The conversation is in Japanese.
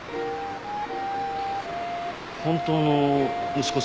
本当の息子さんは？